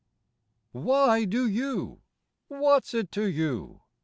Why do you? What's it to you?